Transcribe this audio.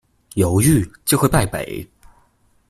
猶豫，就會敗北